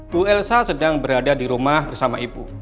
bu elsa sedang berada di rumah bersama ibu